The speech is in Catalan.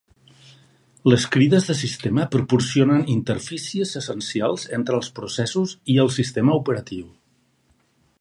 Les crides de sistema proporcionen interfícies essencials entre els processos i el sistema operatiu.